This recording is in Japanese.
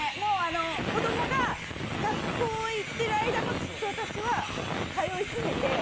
子供が学校へ行ってる間もずっと私は通い詰めて。